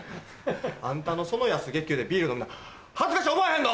あんたのその安月給でビール飲む恥ずかしい思わへんの？